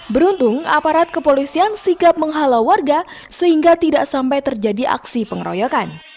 beruntung aparat kepolisian sigap menghalau warga sehingga tidak sampai terjadi aksi pengeroyokan